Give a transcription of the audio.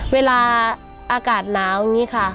เวลาอากาศหนาวอย่างนี้ค่ะ